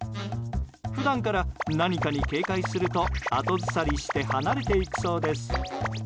普段から何かに警戒すると後ずさりして離れていくそうです。